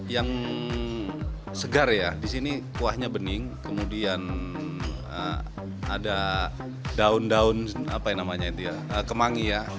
yang segar ya di sini kuahnya bening kemudian ada daun daun kemangi ya